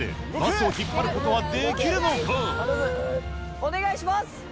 お願いします！